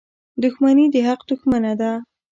• دښمني د حق دښمنه ده.